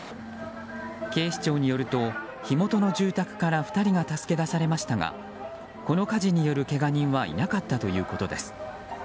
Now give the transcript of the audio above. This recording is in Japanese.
警視庁によると、火元の住宅から２人が助け出されましたがこの火事によるけが人はいなかったということです。